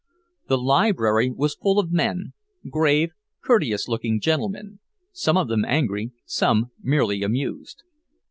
The library was full of men, grave, courteous looking gentlemen, some of them angry, some merely amused.